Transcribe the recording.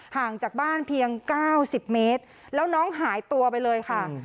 ห่างจากบ้านเพียง๙๐เมตรแล้วน้องหายตัวไปเลยค่ะ